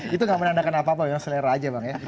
itu gak menandakan apa apa bilang selera aja bang ya